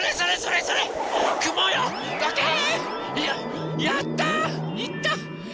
やった！